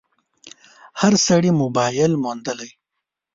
هر سړي موبایل موندلی